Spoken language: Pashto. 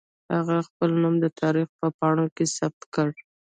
هغې خپل نوم د تاریخ په پاڼو کې ثبت کړ